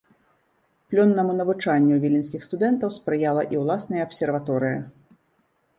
Плённаму навучанню віленскіх студэнтаў спрыяла і ўласная абсерваторыя.